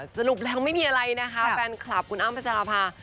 สรุปแล้วไม่มีอะไรนะคะแฟนคลับคุณอ้ำพัชราภา